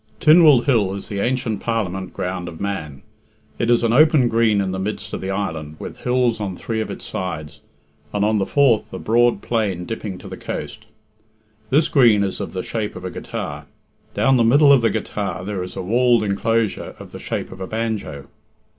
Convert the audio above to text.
X. Tynwald Hill is the ancient Parliament ground of Man. It is an open green in the midst of the island, with hills on three of its sides, and on the fourth a broad plain dipping to the coast. This green is of the shape of a guitar. Down the middle of the guitar there is a walled enclosure of the shape of a banjo.